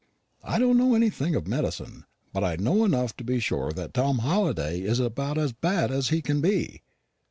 "I don't know anything of medicine; but I know enough to be sure that Tom Halliday is about as bad as he can be.